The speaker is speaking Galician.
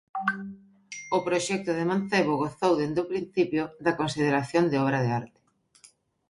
O proxecto de Mancebo gozou desde o principio da consideración de obra de arte.